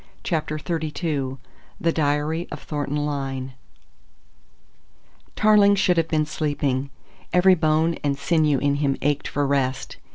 CHAPTER XXXII THE DIARY OF THORNTON LYNE Tarling should have been sleeping. Every bone and sinew in him ached for rest.